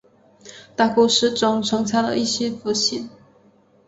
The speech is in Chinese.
大故事中穿插了一些副线。